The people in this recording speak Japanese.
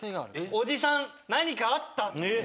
「おじさん何かあった？」。